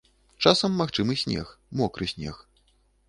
Часам магчымы снег, мокры снег.